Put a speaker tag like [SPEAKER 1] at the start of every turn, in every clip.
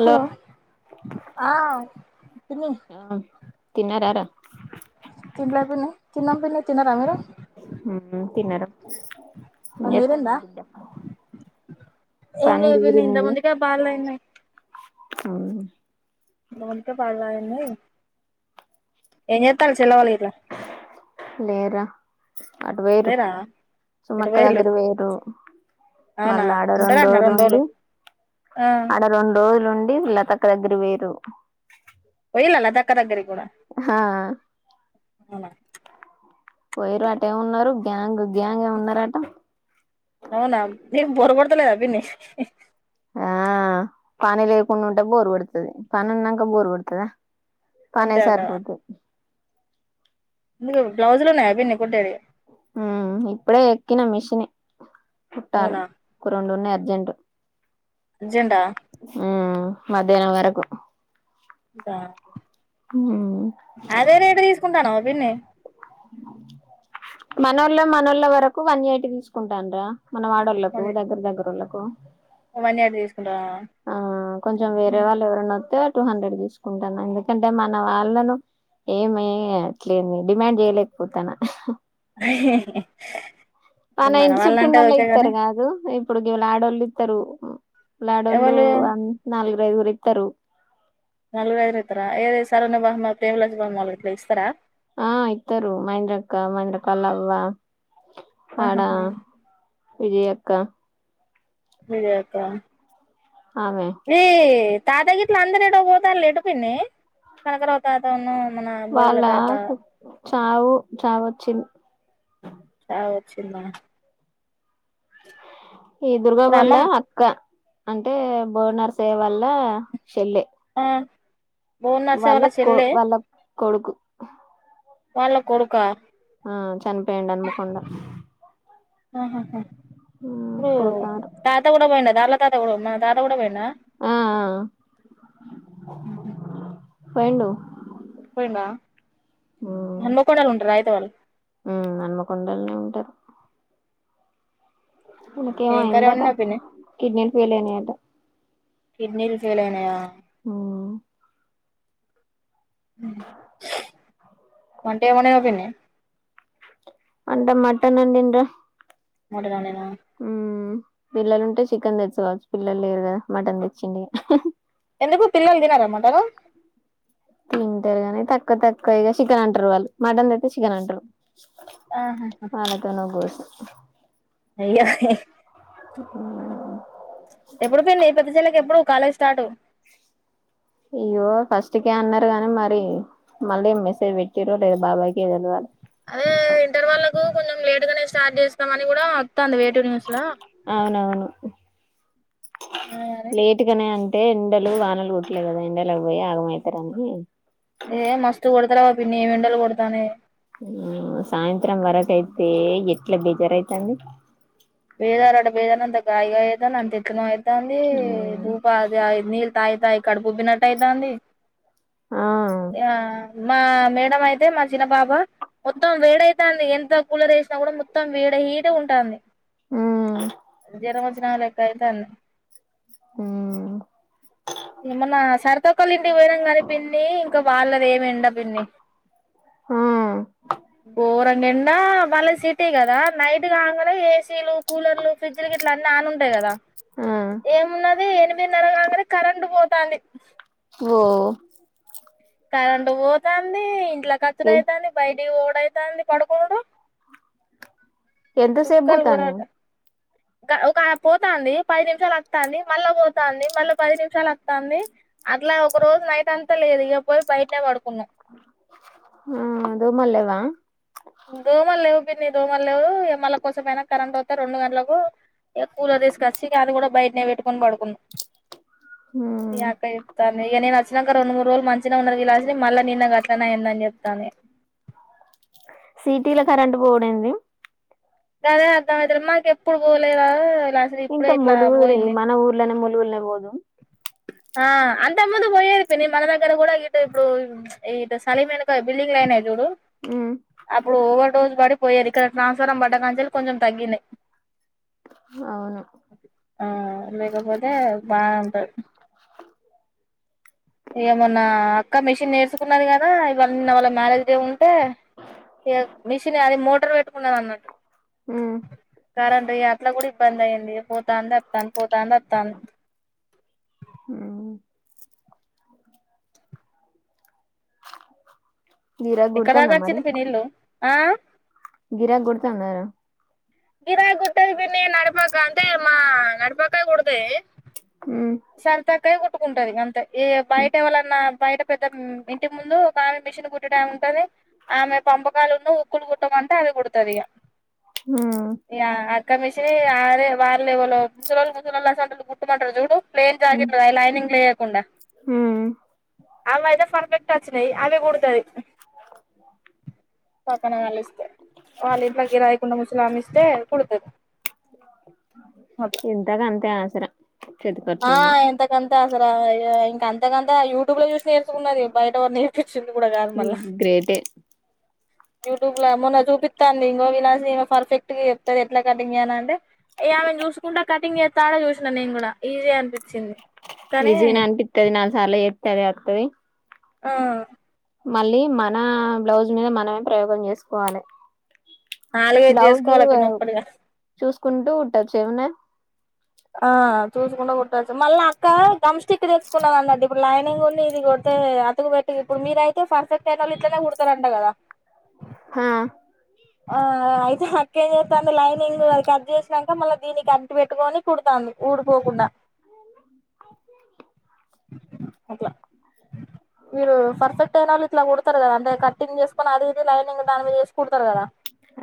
[SPEAKER 1] Hello ఆ... పిన్ని
[SPEAKER 2] ఆ. తిన్నారార.
[SPEAKER 1] హలో పిన్ని తిన్నం పిన్ని తిన్న రా మీరు.
[SPEAKER 2] తిన్నార ఏం
[SPEAKER 1] మీరిందా
[SPEAKER 2] చెప్తాన్రు
[SPEAKER 1] ఏం
[SPEAKER 2] పని
[SPEAKER 1] లేదు పిన్ని ఇంత
[SPEAKER 2] తీరింది
[SPEAKER 1] ముందుకే పాలు తాగిన
[SPEAKER 2] ఆఓ
[SPEAKER 1] మౌనిక పాలు తాగింది ఏం చెత్తన్లు చిన్నవాళ్లు ఇంట్ల
[SPEAKER 2] లేర అటు వేరు
[SPEAKER 1] ఎటు
[SPEAKER 2] సుమక్క
[SPEAKER 1] పోయిళ్ళు
[SPEAKER 2] దగ్గర వేయింరు
[SPEAKER 1] అవునా
[SPEAKER 2] మళ్ళా ఆడ రెండు
[SPEAKER 1] ఉంటారటనా
[SPEAKER 2] రోజులుండి
[SPEAKER 1] రోజులు ఆ
[SPEAKER 2] ఆడ రెండు రోజులుండి [unintelligible] లతక్క దగ్గరకి పోయిర్రు
[SPEAKER 1] యిల్ల లతక్క దగ్గరి
[SPEAKER 2] హా
[SPEAKER 1] అవునా
[SPEAKER 2] పోయిర్రు అటే ఉన్నరు గ్యాంగ్ గ్యాంగ్ ఏమో ఉన్నరట.
[SPEAKER 1] అవునా నీకు బోర్ కొడుత లేదా పిన్ని
[SPEAKER 2] ఆ పని లేకుండా ఉంటే బోరు కొడుతది. పని ఉన్నంక బోరు కొడుతుదా? పనే
[SPEAKER 1] అంతే అంటావా
[SPEAKER 2] సరిపోతది
[SPEAKER 1] బ్లౌజులు ఉన్నాయ పిన్ని కుట్టేడివి
[SPEAKER 2] ఇప్పుడే ఎక్కిన మిషిని కుట్టాలి
[SPEAKER 1] అవునా
[SPEAKER 2] ఒక రెండున్నై జెంట్
[SPEAKER 1] అర్జెంటా
[SPEAKER 2] మధ్యాహ్నం వరకు
[SPEAKER 1] ఇంకా
[SPEAKER 2] హ్మూ
[SPEAKER 1] అదే రేటు తీసుకుంటాన్నావా పిన్ని
[SPEAKER 2] మనోళ్ళ, మనోళ్ళ వరకు వన్ ఎయిటి తీసుకుంటాన్ రా మన వాడోళ్లకు దగ్గర దగ్గరోళ్ళకు కో
[SPEAKER 1] వన్ ఎయిటీ తీస్
[SPEAKER 2] ఆ కొంచెం వేరే వాళ్ళు ఎవరన్న వత్తే టూ హండ్రెడ్ తీసుకుంటాన, ఎందుకంటే మన వాళ్ళను ఏమీ అట్లేమీ డిమాండ్ చేయలేకపోతాన. మన ఇంటి
[SPEAKER 1] వాళ్ళంటే
[SPEAKER 2] సుట్టున్నోళ్ళే
[SPEAKER 1] ఓకే గాని
[SPEAKER 2] ఇత్తరు గాదు ఇప్పుడు గివళ ఆడళ్ళు ఇత్తరూ లాడోలు
[SPEAKER 1] ఎవలు
[SPEAKER 2] అం నలు గైదుగురు ఇత్తరు
[SPEAKER 1] నాలుగురైదుగురు ఇత్తరా ఏదీ సరోణ, బహమ్మ, ప్రేమలచ్చువమ్మోలు గిట్ల ఇస్తరా
[SPEAKER 2] ఆ ఇత్తరు మహేంద్రక్క, మహేంద్రక్కోలా అవ్వ.
[SPEAKER 1] ఆహాహా
[SPEAKER 2] విజయక్క
[SPEAKER 1] మీరత
[SPEAKER 2] ఆమె
[SPEAKER 1] ఏ తాతగిట్ల అందరు ఎటో పోతాళ్ళు లేెటు పిన్ని కనకరావు తాతను మన బోడుల
[SPEAKER 2] వాళ్ళా
[SPEAKER 1] తాత
[SPEAKER 2] చావు చావు వచ్చిం
[SPEAKER 1] చిందా
[SPEAKER 2] ఈ దుర్గ
[SPEAKER 1] ఇప్పుడు
[SPEAKER 2] వాళ్ళ
[SPEAKER 1] అమ్మమ్
[SPEAKER 2] అక్క అంటే బోర్నర్స్సే వల్ల షెల్లె
[SPEAKER 1] ఆ బోర్నర్స వాళ్ళ
[SPEAKER 2] కో
[SPEAKER 1] చెల్లె
[SPEAKER 2] వాళ్ళ కొడుకు
[SPEAKER 1] వాళ్ళ కొడుకా
[SPEAKER 2] ఆ చన్పోయిండ్ అన్మకొండ
[SPEAKER 1] ఆహహా ఇప్పుడు
[SPEAKER 2] పోతారు
[SPEAKER 1] తాత గుడా పోయిండా దార్లొక్ మీ తాత గుడ్ మా తాత గుడా పోయిండ్ అలో
[SPEAKER 2] ఆ
[SPEAKER 1] మ్మ్ హు
[SPEAKER 2] పోయిండు
[SPEAKER 1] పోయిండా
[SPEAKER 2] ఉమ్
[SPEAKER 1] హన్మకొండల్ ఉంటరా ఐతే వాళ్ళు
[SPEAKER 2] హన్మకొండలనే ఉంటారు ఇనకేమో
[SPEAKER 1] ఏం కర్రీ
[SPEAKER 2] ఐన్దట
[SPEAKER 1] వండినావు పిన్ని
[SPEAKER 2] కిడ్నీలు ఫెయిల్ ఐనాయట
[SPEAKER 1] కిడ్నీలు ఫేలైనాయా
[SPEAKER 2] మ్మ్
[SPEAKER 1] [unintelligible] వంటెం వండినావ్ పిన్ని
[SPEAKER 2] అంటె మటన్ అండిన్రా
[SPEAKER 1] మూడుగా నేను
[SPEAKER 2] మ్మ్ పిల్లలుంటే చికెన్ తెచ్చుకోవచ్చు పిల్లలు లేరు గదా మటన్ తెచ్చిండిగ
[SPEAKER 1] ఎందుకు పిల్లల్ తినరా మటను
[SPEAKER 2] తింటరు గనీ తక్కువ తక్కువ ఇగ సికినన్ట్రు వాళ్ళు మటన్ తెత్తే సికినన్ట్రు
[SPEAKER 1] ఆహా
[SPEAKER 2] మనతోనుఘోష్ [inaudible]
[SPEAKER 1] అయ్య
[SPEAKER 2] మ్మ్
[SPEAKER 1] ఎప్పుడు పిన్ని పెద్ద చెల్లెకెప్పుడు కాలేజ్ స్టార్టు
[SPEAKER 2] అయ్యో ఫస్ట్కే అన్నరు గని మరి మల్లెం మెసేజ్ పెట్టిరో లేదో బాబాయ్ కె దెలవాల
[SPEAKER 1] అదే ఇంటర్ వాళ్ళకు కొంచెం లేటు గనే స్టార్ట్ చేస్తాం అని గుడా వత్తాంది వెట్
[SPEAKER 2] అవునవును
[SPEAKER 1] అదే
[SPEAKER 2] లేటు గనే అంత్ అంటే ఎండలు వానలు కొట్లే కదా ఎండలు అవ్ పోయి ఆగమైతరని
[SPEAKER 1] ఏ మస్తు కొడతరు గా పిన్ని ఏమెండలు గొడతన్నాయే
[SPEAKER 2] మ్మ్ సాయంత్రం వరకైతే ఎట్ల బేజారైతాంది.
[SPEAKER 1] వేదారోడ వేదన్నంత కాయగా ఏదన్నంత ఎక్కు మాయ్ తాంది భూప అది ఆయ్ నీల్ తాగి తాగి కడుపుబ్బినట్టయితాంది.
[SPEAKER 2] ఆ
[SPEAKER 1] మా మేడం అయితే మా చిన పాప మొత్తం వేడైతాంది ఎంత కూలర్ వేసినా కూడా మొత్తం వేడై హీటుగా ఉంటాంది.
[SPEAKER 2] హ్మ్
[SPEAKER 1] జ్వరం వచ్చినాల ఇట్టైతాంది. ఏమన్నా సరతక్కోళ్ళ ఇంటికి పోయినాం కానీ పిన్ని ఇంకా వాళ్ళది ఏమి ఎండ పిన్ని గోరం నిండా మళ్ళ సిటీ కదా నైట్ కాకుండా చేసి తేలు కూలర్లు, ఫ్రిడ్జ్లు గిట్లా అన్నీ ఆన్ ఉంటాయి కదా
[SPEAKER 2] ఆ
[SPEAKER 1] ఏమున్నది ఏ [unintelligible] కరెంటు పోతాంది
[SPEAKER 2] ఓ
[SPEAKER 1] కరెంటు పోతాంది. ఇట్లా కచరైతాంది బై ఇది ఓడయితాంది పడుకోడు.
[SPEAKER 2] ఎంతసేపు పోతాను.
[SPEAKER 1] ఒక పోతాంది పది నిమిషాలు వత్తాంది మళ్ళా పోతాంది మళ్ళా పది నిమిషాలు వత్తాంది అట్లా ఒక రోజు నైట్ అంతా లేదు ఇక పోయి బయటనే పడుకో
[SPEAKER 2] ఆ అదో మల్ల వా
[SPEAKER 1] దోమలు లేవు పిన్ని దోమలు లేవు ఏ మళ కోసమైనా కరెంట్ వస్తే రెండు గంటలకు ఇగ కూలర్ తీసుకొచ్చి గది కూడా బయటనే పెట్టుకొని పడుకున్నాం ఇగ అక్క చెప్తాంది ఇగ నే అస చ్చినాక రెండు మూడు రోజులు మంచిగా ఉన్నారు కలాసి మళ్ళా నిన్న గట్లనే అయిందని చెప్తాంది.
[SPEAKER 2] సిటీ లో కరెంటు పోవుడేంది
[SPEAKER 1] గదే అర్థం అయితలేదు. మాకెప్పు ఇప్పుడు పోలేదా విలాసిని ఇప్పుడే
[SPEAKER 2] ఇంకా
[SPEAKER 1] ఇట్లా
[SPEAKER 2] ములుగూరే
[SPEAKER 1] పోయింది
[SPEAKER 2] మన ఊర్లోనే మురు జూన్ లో బోదు
[SPEAKER 1] ఆ అంతకు ముందు పోయేది పిన్ని మన దగ్గర కూడా ఇటు ఇప్పుడు ఇటు సలీమెనకాల బిల్డింగ్లయినాయి చూడు
[SPEAKER 2] ఉమ్
[SPEAKER 1] అప్పుడు ఓవర్డోసు పడి పోయేది ఇక్కడ ట్రాన్స్ఫారం పడ్డ కాంచి కొంచెం తగ్గినాయి.
[SPEAKER 2] అవును
[SPEAKER 1] ఆ లేకపోతే బా ఉంట ఏమన్నా అక్క మిషన్ నేర్చుకున్నది కదా ఇవాళ నిన్న వాళ్ళ మ్యారేజ్డే ఉంటే మిషన్ అది మోటర్ పెట్టుకున్నాను అన్నట్టు
[SPEAKER 2] హ్మ్
[SPEAKER 1] కరెంటు అట్లా కూడా ఇబ్బంది అయింది పో వత్తాంది, వత్తాంది పోతాంది వత్తాంది.
[SPEAKER 2] ఉమ్ గిరాక్
[SPEAKER 1] ఎక్కడ దాకా
[SPEAKER 2] గుడుతుందా మరి
[SPEAKER 1] వచ్చింది పిన్ని ఇల్లు ఆ
[SPEAKER 2] గిరాక్ కుడుతందార
[SPEAKER 1] గిరా గుట్టది పిన్నీ నడపాక అంతే మా నడపాక కుడదది
[SPEAKER 2] ఉమ్
[SPEAKER 1] సంతాకాయ కొట్టుకుంటది గంతే ఈ బయట ఎవళన్నా పయట పెద్ద ఇంటి ముందు ఒక ఆమె మిషన్ కుట్టటమే ఉంటుంది ఆమె పంపకాలున్న స్ కూల్ కుట్టమంట అది కూడతాది ఇగ
[SPEAKER 2] ఆ
[SPEAKER 1] కమిషి అరే వాళ్ళేవలో ముసలోళ్ళు ముసలోళ్ళు అసలు కుట్మంటరు చూడు ప్లేన్
[SPEAKER 2] ఉమ్
[SPEAKER 1] జాకిట్లు లైనింగ్ లే కుండ,
[SPEAKER 2] ఉమ్
[SPEAKER 1] అవైతే పర్ఫెక్ట్ వచ్చినై అదే కుడుతది పక్కన వాళ్ళు ఇస్ వాళ్ళింట్ల కిరాయికున్న ముసలామే ఇస్తే కుడుతది
[SPEAKER 2] సర
[SPEAKER 1] ఆ ఎంతకంత ఇంక అంతకంత యూ ట్యూబ్ లో చూసి నేర్చుకున్నదే బయటెవరు నేర్పించింది కూడ కాదు మళ్ళ
[SPEAKER 2] గ్రేటే
[SPEAKER 1] యూట్యూబ్ లా మొన్న చూపిస్తాంది ఇంగో వినాసి పర్ఫెక్ట్ గా చెప్తది ఎట్ల కటింగ్ చేయలంటే, ఇగ ఆమెను చూసుకుంటా కటింగ్ చేస్తాంటె చూసినను నేను కూడా ఈజీ అనిపిచి
[SPEAKER 2] ఈజీనే అనిపిత్తది నాలుగు సార్లు గదే అత్తది
[SPEAKER 1] ఆ
[SPEAKER 2] మళ్ళీ మనా బ్లౌజ్ మీద మనమే ప్రయోగం చేసుకోవాలి
[SPEAKER 1] నాలుగైదు చేసుకోవాలి ఒప్పనొప్పటిగా
[SPEAKER 2] కుంటూ కుట్టొచ్చు ఎమునై
[SPEAKER 1] ఆ చూసుకుంట కుట్టొచ్చు మళ్ళ అక్క గమ్ స్టిక్ తెచ్చుకున్నాందండి ఇప్పుడు లైనింగ్ ను ఇది కుడితే అతుకు పెట్టి ఇప్పుడు మీరైయతే ఫర్ ఫెక్ట్ అయినోళ్ళు ఇట్లనే కుడతరు అంట కదా
[SPEAKER 2] హా
[SPEAKER 1] ఆ అయితే అక్క ఏం చేస్తాంది లైనింగ్ అది కట్ చేసినంక మళ్ళ దీన్నికంటి పెట్టుకోని కుడుతాంది ఊడికోకుండా అట్ల, మీరు పర్ఫెక్ట్ అయినోళ్ళు ఇట్ల కుడతరు కదా అంటే కట్టింగ్ చేస్కొని అది ఇది లైనింగ్ దాని మీద ఏసి కుడతరు కదా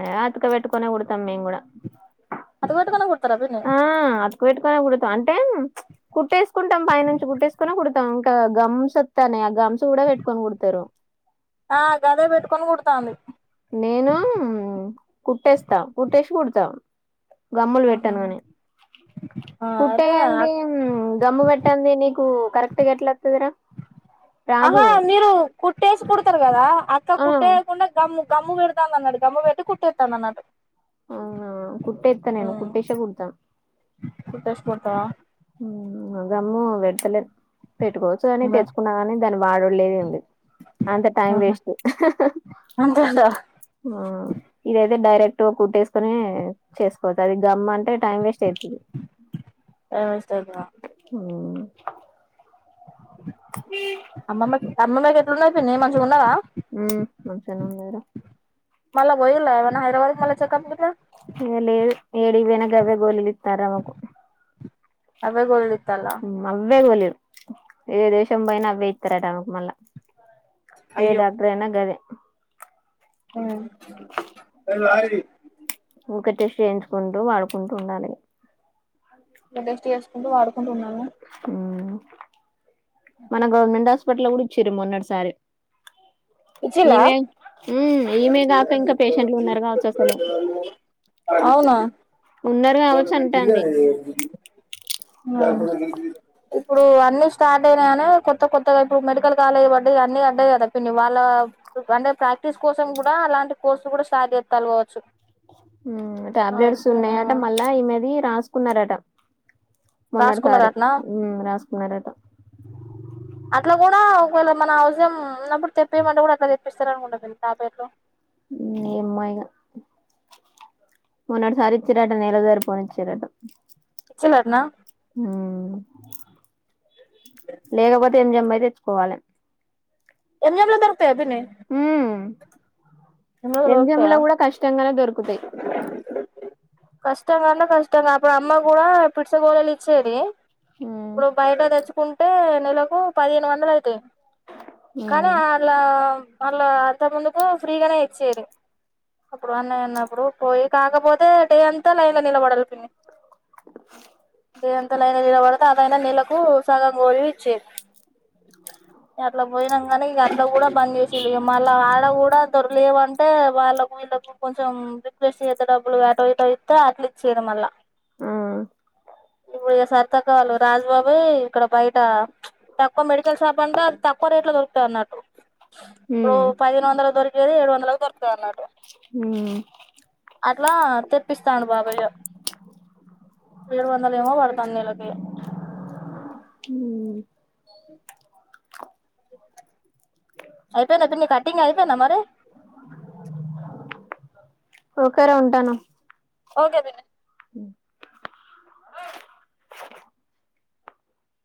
[SPEAKER 2] అ అత్కపెట్టుకొనే కుడుతం మేం గూడ
[SPEAKER 1] అటు పెట్టుకొని కుడతారా పిన్ని
[SPEAKER 2] ఆ అతుకు పెట్టుకొని కుడత అంటే, ప్చ్ కుట్టేసుకుంటాం పైనుంచి కుట్టేసుకొని కుడతాం గా గంసోత్తన్నైఆ గమ్స్ కూడ పెట్కొని కుడుతరు
[SPEAKER 1] ఆ గదే పెట్టుకొని కుడతాంది
[SPEAKER 2] నేను కుట్టేస్తా [unintelligible] గమ్ములు
[SPEAKER 1] ఆహా
[SPEAKER 2] పెట్టను గాని
[SPEAKER 1] ఆ అదే
[SPEAKER 2] కుట్టేయంది గమ్ము పె కుట్టంది నీకు కరెక్ట్గా ఎట్లత్తదిరా
[SPEAKER 1] అహా, మీరు కుట్టేసి కుడతరు కదా, అక్క
[SPEAKER 2] ఆ
[SPEAKER 1] కుట్టేయకుండా గమ్ము గమ్ము పెడతాంది అన్నడు గమ్ము పెట్టి కుట్టేత్తాంది అన్నట్టు
[SPEAKER 2] అవునా కుట్టేత్త నేను కుట్టేసే కుడుత
[SPEAKER 1] కుట్టేసి కుడతావా
[SPEAKER 2] గమ్ము బెడుతలేన్ పెట్టుకోవచ్చు అని తెచ్చుకున్న కాని దాన్ని వాడుడు లేదు ఏం లేదు. అంత టైం వేస్ట్
[SPEAKER 1] అంతేంట
[SPEAKER 2] మ్మ్ ఇదైతే డైరెక్ట్ కుట్టు కుట్టేసుకొని చేసుకోవచ్చు అది గమ్ అం టే టైం వేస్ట్ అయితది. హ్మూ
[SPEAKER 1] అమ్మమ్మ క్ అమ్మమ్మకి ఎట్లున్నాయి పిన్ని మంచిగాన్నారా
[SPEAKER 2] ఉమ్మ్ మంచిగానే ఉన్నాయి రా
[SPEAKER 1] మల్ పోయిల్ హైదరాబాద్ కి మల్ల చెకప్ కిట్ల
[SPEAKER 2] ఇగ లేదు ఏడికి పోయిన గవే గోలీలు ఇస్తున్నారా ఆమెకు
[SPEAKER 1] అవే గోళీలు ఇత్తల్లా
[SPEAKER 2] ప్చ్ అవ్వే గోళీలు ఏ దేశం పోయినా అవే ఇస్తారట ఆమెకు మల్ల ఏ డాక్టర్ అయినా గదే
[SPEAKER 1] ఉమ్మ్
[SPEAKER 2] ఊక టెస్ట్ చేయించుకుంటూ వాడుకుంటూ ఉండాలి
[SPEAKER 1] బస్ చేసుకుంటూ వాడు కొంటన్నాము
[SPEAKER 2] ఉమ్ మన గవర్నమెంట్ హాస్ప్ట్ హాస్పిటల్ కూడా ఇచ్చారు మొన్నటిసారి
[SPEAKER 1] ఇచ్చలా
[SPEAKER 2] ఈమె ఉమ్ ఈమె కాక ఇంకా పేషెంట్లు ఉన్నారు కావచ్చు అసలు
[SPEAKER 1] అవునా
[SPEAKER 2] ఉన్నారు కావచ్చు అంటాంది
[SPEAKER 1] ఆ ఇప్పుడు అన్ని స్టార్ట్ అయినాయనే కొత్త కొత్తగా ఇప్పుడు మెడికల్ కాలేజ్ పడ్డ అన్ని అడ్డాయి కదా వాళ్ళ అంటే ప్రాక్టీస్ కోసం కూడా అలాంటి కోర్సు కూడా స్టార్ట్ చేస్తాలుకవచ్చు
[SPEAKER 2] ఉం టాబ్లెట్స్ ఉన్నాయట మళ్ళా ఈమెది రాసు కున్నారట
[SPEAKER 1] రాసుకున్నారు
[SPEAKER 2] మొన్నటిసారి
[SPEAKER 1] అట్నా
[SPEAKER 2] రాసుకున్నారట
[SPEAKER 1] అట్లా కూడా మన అవసరం ఉన్నప్పుడు తెప్పేయమంటే కూడా అట్లా తెప్పిస్తారు అనుకుంటకదా టాబ్లెట్లు
[SPEAKER 2] ఏమ్మాయిగా మొన్నటిసారి ఇచ్చారట నెలసరిపోను ఇచ్చారట
[SPEAKER 1] చిలట్న
[SPEAKER 2] ఉమ్మ్ లేకపోతే ఏం జమ్మ పోయి తెచ్చుకోవాలి
[SPEAKER 1] ఏం జంలో దొరుకుత్ పబనే
[SPEAKER 2] ఎంజెమ్ల కూడా కష్టం. ఇంగానే దొరుకుతాయి.
[SPEAKER 1] కష్టంగాంటే కష్టంగా అప్పుడు అమ్మా కూడా పిడిసకోళలి ఇచ్చేది.
[SPEAKER 2] ఉమ్
[SPEAKER 1] ఇప్పుడు బయట తేచ్చు కుంటే నెలకు పదిహేను వందలు అయితాయి. కానీ
[SPEAKER 2] ఉమ్
[SPEAKER 1] ఆర్లాం వాళ్ళు అంత ముందుకు ఫ్రీగానే ఇచ్చేది అప్పుడు అన్న అన్న ఇప్పుడు పోయి కాకపోతే డే అంతా లైన్ లో నిలబడలి పిన్ని డే అంతా లైన్ నిలబడితే అదైనా నెలకు సగం గోళీలు ఇచ్చేది అట్లా పోయినం కానీ ఇంకా అట్లా కూడా బంద్ చేసిల్లు మళ్ళ ఆడ కూడా దొర్లులేవాన్ అంటే వాళ్ళకు వీళ్ళలకు కొంచెం రిక్వెస్ట్ చేస్తే డబ్బులు అటో ఇటో ఇత్తే అట్లే ఇచ్చిళ్ళు మళ్ళ
[SPEAKER 2] ఆ
[SPEAKER 1] ఇప్పుడు సరిత అక్క వాళ్లు రాజు బాబాయ్ ఇక్కడ బయట ప్చ్ తక్కువ మెడికల్ షాప్ అంటే అతితక్కువ రేట్లు దొరు తే అన్నట్టు ఇప్పుడు
[SPEAKER 2] ఉమ్
[SPEAKER 1] పది హేను వందలకు దొరి లేదా ఏడు వందలకు దొరుకుతది అన్నట్టు
[SPEAKER 2] హ్మ్
[SPEAKER 1] అట్లా తెప్పిస్తాను బాబాయ్ ఇగ ఏడు వందలు ఏమో పడతాంది నెలకి ఇగా
[SPEAKER 2] హు
[SPEAKER 1] అయిపోయిందా పిన్ని కటింగ్ అయిపోయిందా మరి
[SPEAKER 2] ఓకే రా ఉంటాను.
[SPEAKER 1] ఓకే పిన్ని